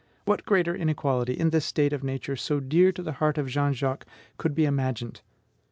What greater inequality, in this state of Nature so dear to the heart of Jean Jacques, could be imagined!